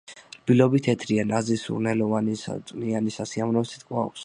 რბილობი თეთრია, ნაზი, სურნელოვანი, წვნიანი, სასიამოვნო სიტკბო აქვს.